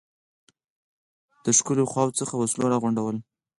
د ښکېلو خواوو څخه وسلو را غونډول.